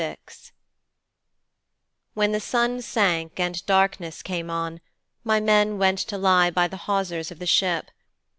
VI When the sun sank and darkness came on, my men went to lie by the hawsers of the ship.